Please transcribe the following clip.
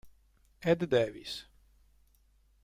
Ed Davis